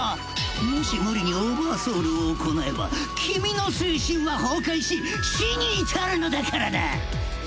もし無理にオーバーソウルを行えば君の精神は崩壊し死に至るのだからな。